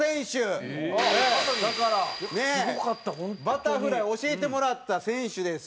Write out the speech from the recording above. バタフライ教えてもらった選手です。